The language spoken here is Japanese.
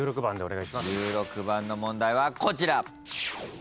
１６番の問題はこちら。